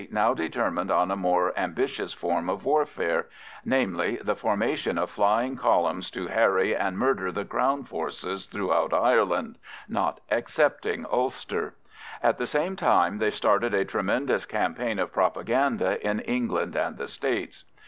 now determined on a much more ambitious form of warfare—namely, the formation of flying columns to harry and murder the Crown forces throughout Ireland, not excepting Ulster; at the same time they started a tremendous campaign of propaganda in England and the States.